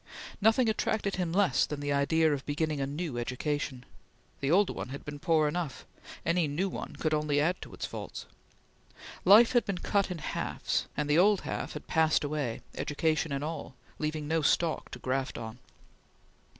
Nothing attracted him less than the idea of beginning a new education. The old one had been poor enough; any new one could only add to its faults. Life had been cut in halves, and the old half had passed away, education and all, leaving no stock to graft on.